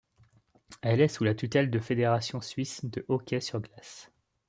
Elle est sous la tutelle de Fédération suisse de hockey sur glace.